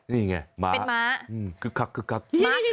นี่ไงม้าคื้กคักคื้กคักนี่เป็นหม้า